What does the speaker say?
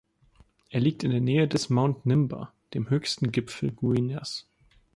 Er liegt in der Nähe des Mount Nimba, dem höchsten Gipfel Guineas.